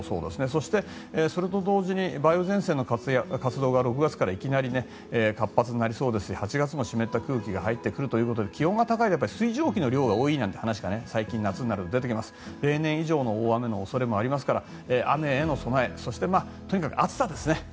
そして、それと同時に梅雨前線の活動が６月からいきなり活発になりそうですし８月も湿った空気が入ってくるということですので気温が高いと水蒸気の量が多いなんて話も夏になると出てきますから雨への備えそして、とにかく暑さですね。